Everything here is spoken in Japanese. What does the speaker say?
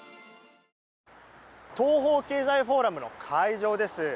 東方経済フォーラムの会場です。